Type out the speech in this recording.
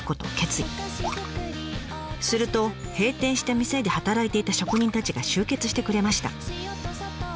すると閉店した店で働いていた職人たちが集結してくれました。